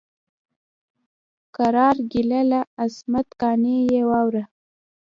قرار ګله له عصمت قانع یې واوره.